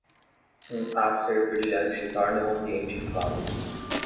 Um ácer brilhante torna o ambiente inflado.